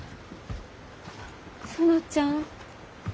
園ちゃん？